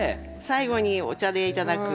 最後にお茶で頂く。